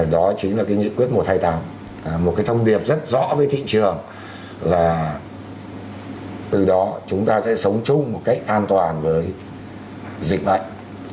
đó chính là cái nghị quyết một trăm hai mươi tám một cái thông điệp rất rõ với thị trường là từ đó chúng ta sẽ sống chung một cách an toàn với dịch bệnh